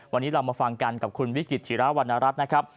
วันนี้เรามาฟังกันกับคุณวิกฤตธิราวรรณรัฐนะครับ